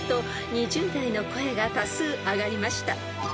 ２０代の声が多数上がりました］